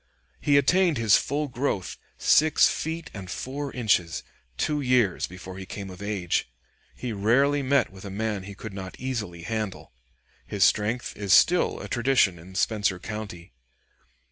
He attained his full growth, six feet and four inches, two years before he came of age. He rarely met with a man he could not easily handle. His strength is still a tradition in Spencer County.